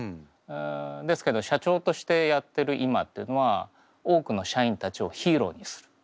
ですけど社長としてやってる今っていうのは多くの社員たちをヒーローにする。